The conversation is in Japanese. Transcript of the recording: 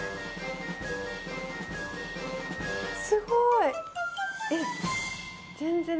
すごい。